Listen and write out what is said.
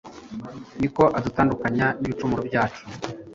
ni ko adutandukanya n’ibicumuro byacu